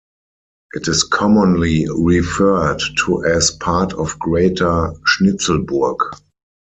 It is commonly referred to as part of greater Schnitzelburg.